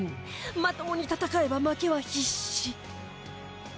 まともに戦えば負けは必至